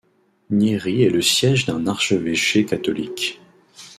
Nyeri est le siège d'un archevêché catholique.